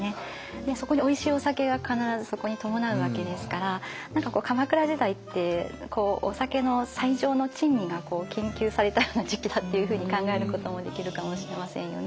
でそこにおいしいお酒が必ずそこに伴うわけですから何か鎌倉時代ってお酒の最上の珍味が研究されたような時期だっていうふうに考えることもできるかもしれませんよね。